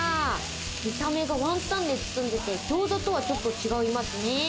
見た目がワンタンで包んでて、餃子とはちょっと違いますね。